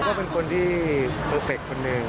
ก็เป็นคนที่เพอร์เฟคคนหนึ่ง